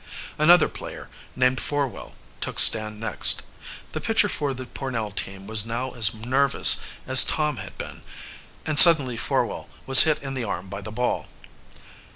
Another player, named Forwell, took stand next. The pitcher for the Pornell team was now as nervous as Tom bad been and suddenly Forwell was hit in the arm by the ball.